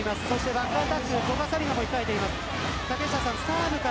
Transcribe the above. バックアタックに古賀紗理那もいます。